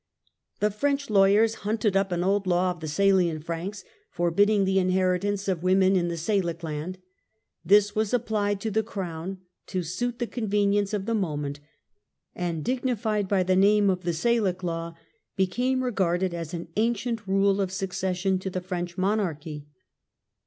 The French lawyers hunted up an old law of the Salian Franks, forbidding the inheritance of women in the Sahc land ; this was applied to the Crown, to suit the convenience of the moment, and dignified by the name of the Salic law, became regarded as an ancient rule of succession to the French Monarchy.